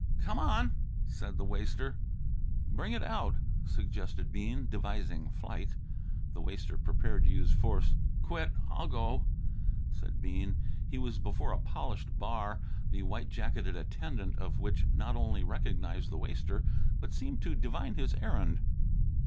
"Come on!" said the waster. "Bring it out," suggested Bean, devising flight. The waster prepared to use force. "Quit. I'll go," said Bean. He was before a polished bar, the white jacketed attendant of which not only recognized the waster but seemed to divine his errand.